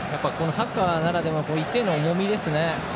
サッカーならではの１点の重みですね。